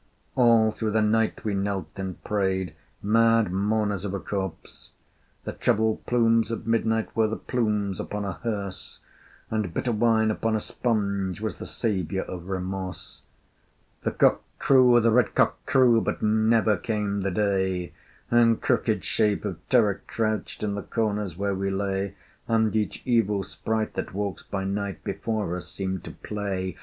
All through the night we knelt and prayed, Mad mourners of a corpse! The troubled plumes of midnight were The plumes upon a hearse: And bitter wine upon a sponge Was the savior of Remorse. The cock crew, the red cock crew, But never came the day: And crooked shape of Terror crouched, In the corners where we lay: And each evil sprite that walks by night Before us seemed to play.